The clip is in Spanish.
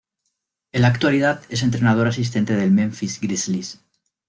En la actualidad es entrenador asistente de Memphis Grizzlies.